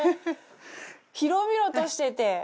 広々としてて。